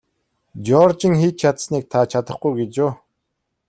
Жоржийн хийж чадсаныг та чадахгүй гэж үү?